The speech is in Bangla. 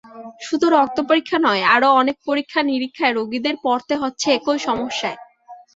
শুধু রক্ত পরীক্ষা নয়, আরও অনেক পরীক্ষা-নিরীক্ষায় রোগীদের পড়তে হচ্ছে একই সমস্যায়।